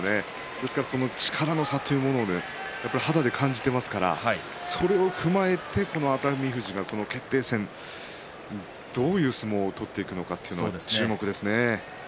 ですから力の差というものを肌で感じていますからそれを踏まえてこの熱海富士が決定戦、どういう相撲を取っていくのかというのに注目ですね。